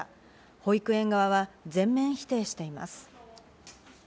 保育園側は全面否定しています。